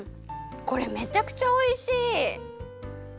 これめちゃくちゃおいしい！